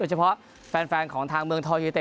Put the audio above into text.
เฉพาะแฟนของทางเมืองทองยูเต็